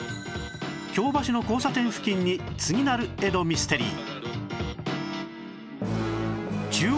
京橋の交差点付近に次なる江戸ミステリー